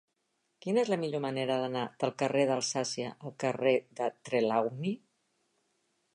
Quina és la millor manera d'anar del carrer d'Alsàcia al carrer de Trelawny?